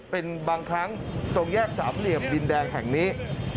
เป็นบางครั้งตรงแยกสามเหลี่ยมดินแดงแห่งนี้